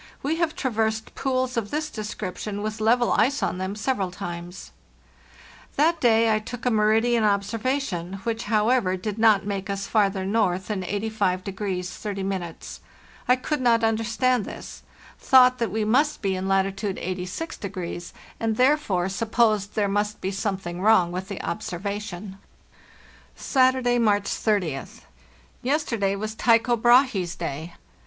We have traversed pools of this description, with level ice on them, several times." That day I took a meridian observation, which, however, did not make us farther north than 85° 30. I could not understand this; thought that we must be in latitude WE SAY GOODLVE TO THE "FRAM " 15 Ow 86°, and, therefore, supposed there must be something wrong with the observation. "Saturday, March 30th. Yesterday was Tycho Brahe's day.